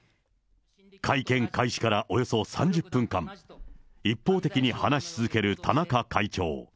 会見開始からおよそ３０分間、一方的に話し続ける田中会長。